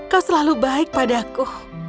kau selalu baik padaku